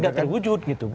tidak terwujud gitu